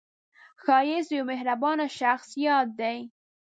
ښایست د یوه مهربان شخص یاد دی